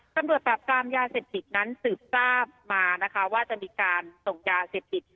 ตำรวจปราบกรามยาเสพติดนั้นสืบทราบมานะคะว่าจะมีการส่งยาเสพติด